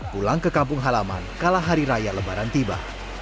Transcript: pulang ke kampung halaman kala hari raya lebaran tiba